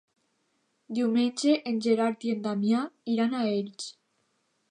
Diumenge en Gerard i en Damià iran a Elx.